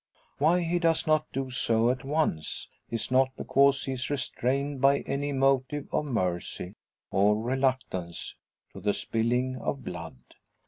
Why he does not do so at once is not because he is restrained by any motive of mercy, or reluctance to the spilling of blood.